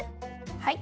はい。